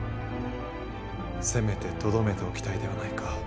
せめてとどめておきたいではないか。